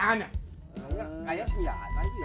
kayak senjata itu ya